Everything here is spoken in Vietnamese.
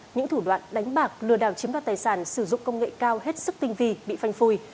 những thủ đoạn đánh bạc lừa đảo chiếm các tài sản sử dụng công nghệ cao hết sức tinh vì bị phanh phùi